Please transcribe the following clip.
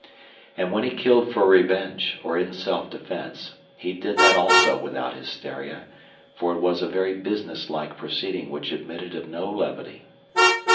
And when he killed for revenge, or in self defense, he did that also without hysteria, for it was a very businesslike proceeding which admitted of no levity.